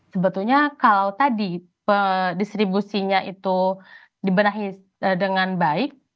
sebetulnya kalau tadi distribusinya itu dibenahi dengan baik